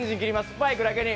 バイクだけに。